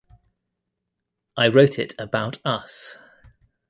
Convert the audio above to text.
I wrote it about us.